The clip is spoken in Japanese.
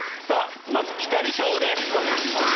まずピタリ賞です。